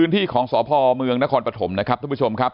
ที่ของสพเมืองนครปฐมนะครับท่านผู้ชมครับ